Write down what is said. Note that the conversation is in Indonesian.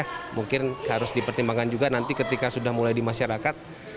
harus dipertimbangkan juga nanti ketika sudah mulai di masyarakat